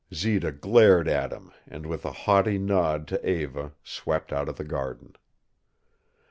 Zita glared at him and with a haughty nod to Eva swept out of the garden.